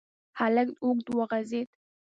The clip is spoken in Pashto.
هلک اوږد وغځېد.